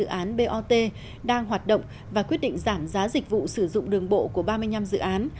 các trạm thu giá dịch vụ sử dụng đường bộ của ba mươi năm dự án đang hoạt động và quyết định giảm giá dịch vụ sử dụng đường bộ của ba mươi năm dự án